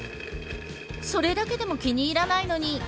それだけでも気に入らないのに。